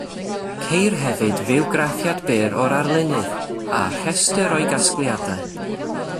Ceir hefyd fywgraffiad byr o'r arlunydd, a rhestr o'i gasgliadau.